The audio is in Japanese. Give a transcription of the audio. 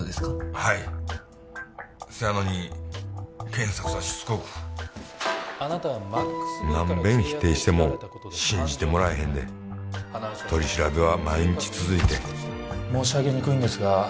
はいせやのに検察はしつこく何べん否定しても信じてもらえへんで取り調べは毎日続いて申し上げにくいんですが